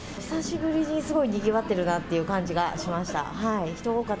久しぶりにすごいにぎわってるなって感じがしました。